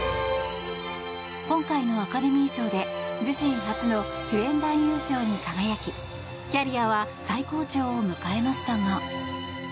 今回のアカデミー賞で自身初の主演男優賞に輝きキャリアは最高潮を迎えましたが。